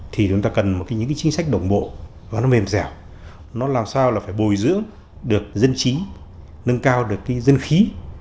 thì chúng ta cần những chính sách đồng bộ nó mềm dẻo nó làm sao là phải bồi giữ được dân trí nâng cao được dân khí